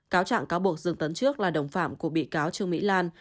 cáo trạng cáo buộc dương tấn trước là đồng phạm của bị cáo trương mỹ lan